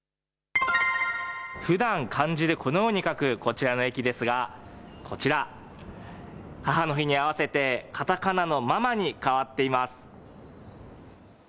ふだん漢字でこのように書くこちらの駅ですがこちら、母の日に合わせてカタカナのママに変わっています。